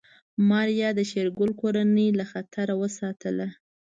ماريا د شېرګل کورنۍ له خطر وساتله.